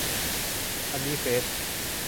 อันนี้เฟซ